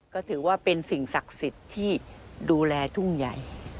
ก็ถือว่าเป็นสิ่งศักดิ์สิทธิ์ที่ดูแลทุ่งใหญ่